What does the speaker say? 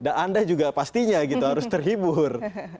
dan anda juga pastinya gitu harus terhibur